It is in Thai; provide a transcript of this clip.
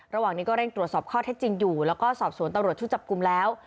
ระหว่างนี้ก็เร่งตรวจสอบข้อเท็จจริงอยู่แล้วก็สอบสวนตำรวจชุดจับกลุ่มแล้ว